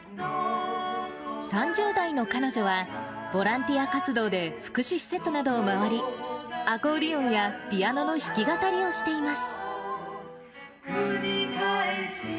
３０代の彼女は、ボランティア活動で福祉施設などを回り、アコーディオンや、ピアノの弾き語りをしています。